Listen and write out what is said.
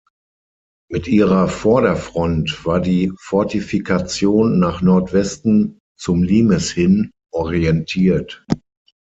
Mit ihrer Vorderfront war die Fortifikation nach Nordwesten, zum Limes hin, orientiert.